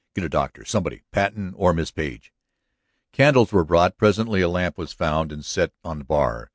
Get a doctor, somebody; Patten or Miss Page." Candles were brought; presently a lamp was found and set on the bar.